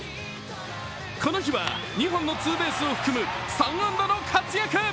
この日は２本のツーベースを含む３安打の活躍。